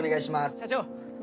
社長。